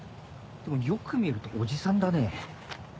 よく見るとおじさんだね。